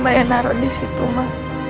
apa lagi yang saya taruh disitu ma